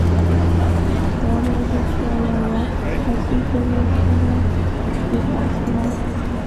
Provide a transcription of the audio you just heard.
دا موضوع چې ایا واک فساد زېږوي او که نه د بحث وړ ده.